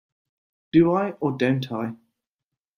Do I, or don't I?